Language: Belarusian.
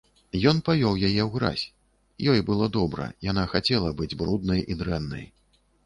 Ён павёў яе ў гразь, ёй было добра, яна хацела быць бруднай і дрэннай.